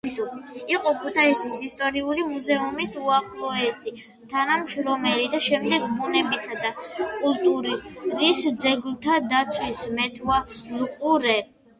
იყო ქუთაისის ისტორიული მუზეუმის უახლოესი თანამშრომელი და შემდეგ ბუნებისა და კულტურის ძეგლთა დაცვის მეთვალყურე.